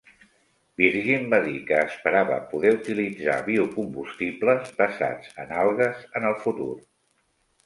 Virgin va dir que esperava poder utilitzar biocombustibles basats en algues en el futur.